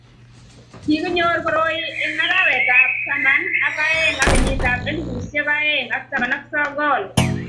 Kikinyor koroi engarawetab taman ak oeng eng kenyitab elipusiek oeng ak taman ak sogol